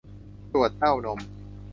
ตรวจเต้านม